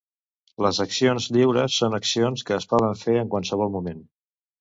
Les accions lliures són accions que es poden fer en qualsevol moment.